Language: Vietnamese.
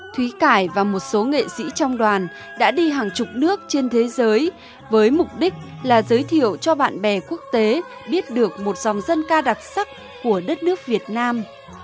thúy cải và một số nghệ sĩ trong đoàn đã đi hàng chục nước trên thế giới với mục đích là giới thiệu cho bạn bè quốc tế biết được một dòng dân ca đặc sắc của đất nước việt nam